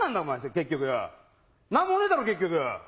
結局よ何もねえだろ結局。